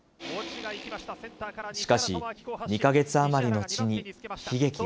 しかし、２か月余り後に悲劇が。